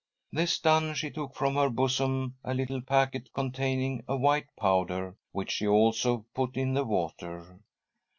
This done, she took from her bosom a little packet containing a white powder, which she also put in the water.